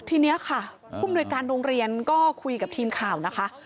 ทีนี้ค่ะผู้มนุยการโรงเรียนก็คุยกับทีมข่าวนะคะ